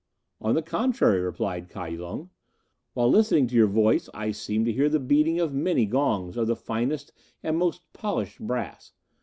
"On the contrary," replied Kai Lung, "while listening to your voice I seemed to hear the beating of many gongs of the finest and most polished brass.